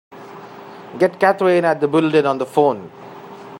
Get Katherine at the Bulletin on the phone!